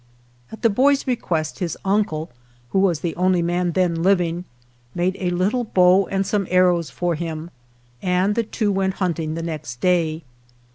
At the boy's request his uncle (who was the only man then living) made a little bow and some arrows for him, and the two went hunting the next day.